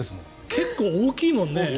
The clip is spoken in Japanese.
結構大きいよね。